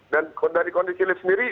dan dari kondisi lift sendiri